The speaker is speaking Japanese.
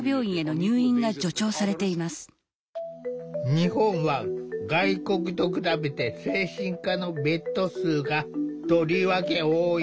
日本は外国と比べて精神科のベッド数がとりわけ多い。